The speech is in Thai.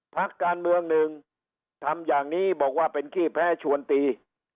พักการเมืองหนึ่งทำอย่างนี้บอกว่าเป็นขี้แพ้ชวนตี